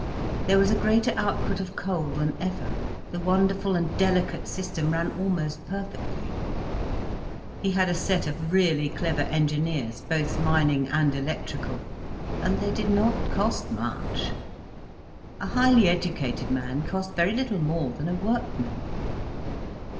There was a greater output of coal than ever, the wonderful and delicate system ran almost perfectly. He had a set of really clever engineers, both mining and electrical, and they did not cost much. A highly educated man cost very little more than a workman.